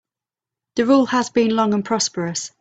The rule has been long and prosperous.